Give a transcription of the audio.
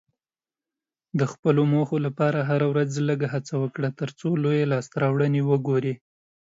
د خپلو موخو لپاره هره ورځ لږه هڅه وکړه، ترڅو لویې لاسته راوړنې وګورې.